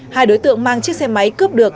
hai đối tượng mang chiếc xe máy cướp được